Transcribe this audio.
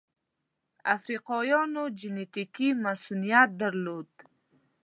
افریقایانو جنټیکي مصوونیت درلود.